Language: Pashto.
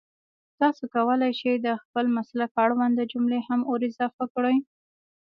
تاسو کولای شئ د خپل مسلک اړونده جملې هم ور اضافه کړئ